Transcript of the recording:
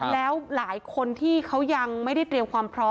แล้วหลายคนที่เขายังไม่ได้เตรียมความพร้อม